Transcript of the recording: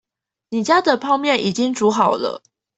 你家的泡麵已經煮好了